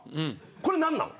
これ何なん？